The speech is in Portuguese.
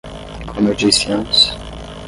Como eu disse antes